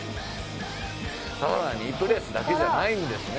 さらにプレスだけじゃないんですね。